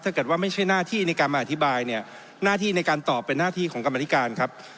ถ้าเกิดว่าไม่ใช่หน้าที่ในการมาอธิบายเนี่ยหน้าที่ในการตอบเป็นหน้าที่ของกรรมธิการครับ